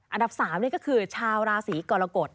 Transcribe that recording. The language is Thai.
อันดับ๓นี่ก็คือชาวราศีกรกฎ